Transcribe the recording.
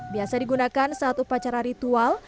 biasa digunakan saat upacara ritual